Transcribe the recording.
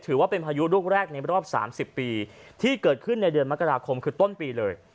พายุลูกแรกในรอบ๓๐ปีที่เกิดขึ้นในเดือนมกราคมคือต้นปีเลย